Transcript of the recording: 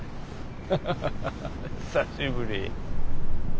ハハハハハハ久しぶり。